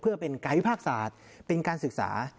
เพื่อเป็นการวิพากษาเป็นการศึกษา